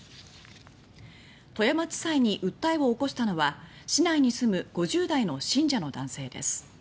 富山地裁に訴えを起こしたのは市内に住む５０代の信者の男性です。